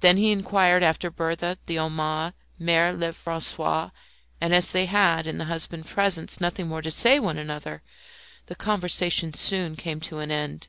Then he inquired after Berthe, the Homais, Mere Lefrancois, and as they had, in the husband's presence, nothing more to say to one another, the conversation soon came to an end.